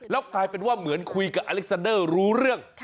แล้วกลายเป็นว่าเหมือนคุยกับอเล็กซาเดอร์รู้เรื่อง